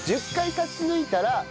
１０回勝ち抜いたら『